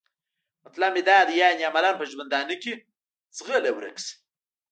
مطلب مې دا دی یعنې عملاً په ژوندانه کې؟ ځغله ورک شه.